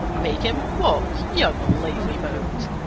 Make him walk, young lazybones!